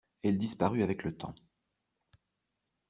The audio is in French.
Elle a disparu avec le temps.